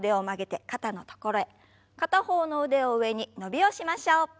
片方の腕を上に伸びをしましょう。